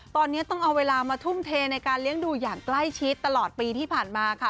ตอนนี้ต้องเอาเวลามาทุ่มเทในการเลี้ยงดูอย่างใกล้ชิดตลอดปีที่ผ่านมาค่ะ